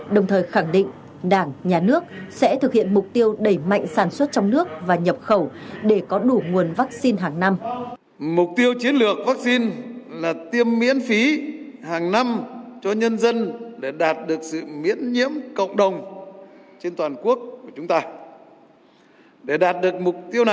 đồng thời khẳng định đảng nhà nước sẽ thực hiện mục tiêu đẩy mạnh sản xuất trong nước và nhập khẩu để có đủ nguồn vaccine hàng năm